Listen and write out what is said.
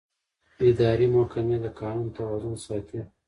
اداري محکمې د قانون توازن ساتي.